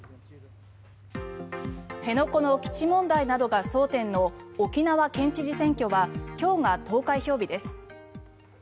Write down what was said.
辺野古の基地問題などが争点の沖縄県知事選挙は今日が投開票日です。